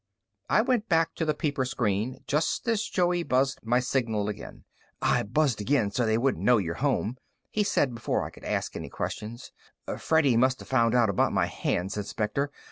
I went back to the peeper screen just as Joey buzzed my signal again. "I buzzed again so they won't know you're home," he said before I could ask any questions. "Freddy must've found out about my hands, Inspector.